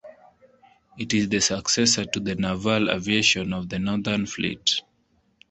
It is the successor to the naval aviation of the Northern Fleet.